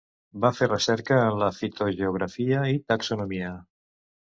Va fer recerca en la fitogeografia i taxonomia.